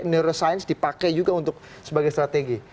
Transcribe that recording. neuroscience dipakai juga untuk sebagai strategi